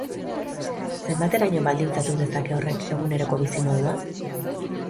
Zenbateraino baldintzatu dezake horrek eguneroko bizimodua?